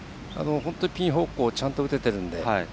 ピン方向ちゃんと打てているので。